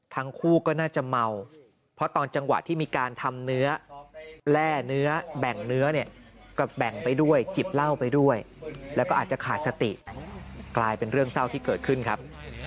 ทั้งคู่ก็น่าจะเมาเพราะตอนจังหวะที่มีการทำเนื้อแร่เนื้อแบ่งเนื้อเนี่ยก็แบ่งไปด้วยจิบเหล้าไปด้วยแล้วก็อาจจะขาดสติกลายเป็นเรื่องเศร้าที่เกิดขึ้นครับ